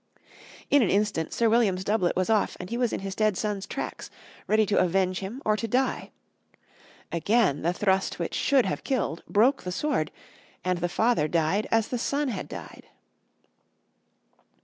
In an instant Sir William's doublet was off, and he was in his dead son's tracks, ready to avenge him or to die. Again the thrust which should have killed broke the sword, and the father died as the son had died.